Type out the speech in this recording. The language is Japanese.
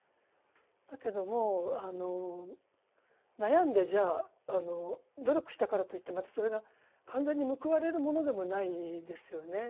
だけども、悩んでじゃあ、努力したからといってまたそれが完全に報われるものでもないですよね。